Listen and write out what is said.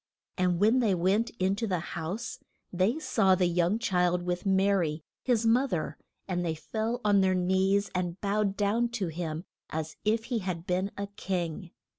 And when they went in to the house they saw the young child, with Ma ry, his mo ther, and they fell on their knees and bowed down to him as if he had been a king.